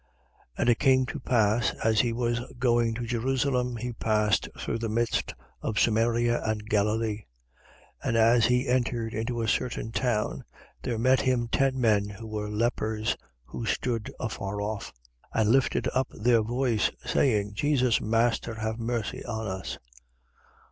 And it came to pass, as he was going to Jerusalem, he passed through the midst of Samaria and Galilee. 17:12. And as he entered into a certain town, there met him ten men that were lepers, who stood afar off. 17:13. And lifted up their voice, saying: Jesus, Master, have mercy on us.